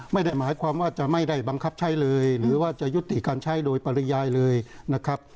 ไม่ได้หมายความว่าจะไม่ได้บังคับใช้เลยหรือว่าจะยุติการใช้โดยปริยายเลยนะครับ